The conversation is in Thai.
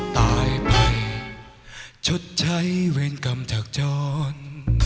ตายไปชดใช้เวรกรรมจากจร